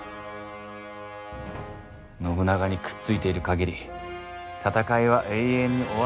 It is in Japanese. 信長にくっついている限り戦いは永遠に終わらん無間地獄じゃ！